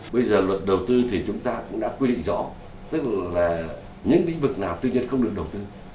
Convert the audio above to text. bây giờ luật đầu tư thì chúng ta cũng đã quy định rõ tức là những lĩnh vực nào tư nhân không được đầu tư